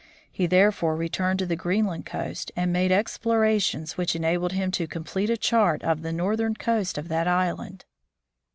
He therefore returned to the Greenland coast, and made explorations which enabled him to complete a chart of the northern coast of that island.